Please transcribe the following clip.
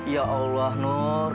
ya allah nur